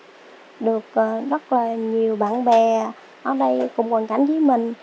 ở đây thì em cũng được rất là nhiều bạn bè ở đây cũng quần cảnh với mình